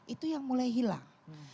itu yang mulai hilang